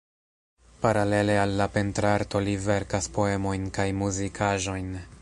Paralele al la pentrarto li verkas poemojn kaj muzikaĵojn.